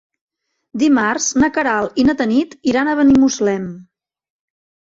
Dimarts na Queralt i na Tanit iran a Benimuslem.